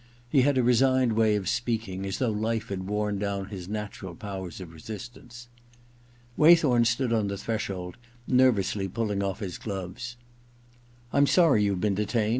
He had a resigned way of speaking, as though life had worn down his natural powers of re sistance. Waythom stood on the threshold, nervously pulling off his gloves. * I'm sorry you've been detained.